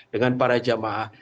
dengan para jamaah